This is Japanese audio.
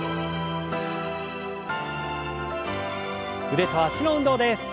腕と脚の運動です。